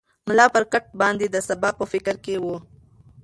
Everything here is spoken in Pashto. ملا پر کټ باندې د سبا په فکر کې و.